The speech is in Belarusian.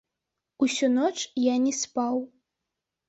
Усю ноч я не спаў.